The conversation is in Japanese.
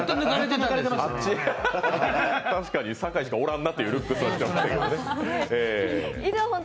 確かに坂井しかおらんなというルックスはしてたけどね。